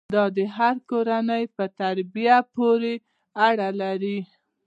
دا د هرې کورنۍ په تربیې پورې اړه لري.